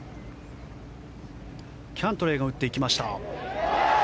キャントレーが打っていきました。